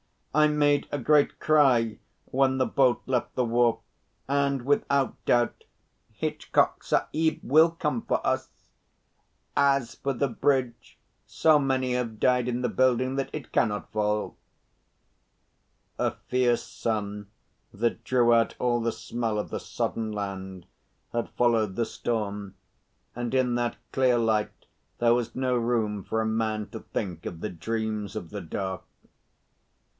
I made a great cry when the boat left the wharf and without doubt Hitchcock Sahib will come for us. As for the bridge, so many have died in the building that it cannot fall." A fierce sun, that drew out all the smell of the sodden land, had followed the storm, and in that clear light there was no room for a man to think of the dreams of the dark.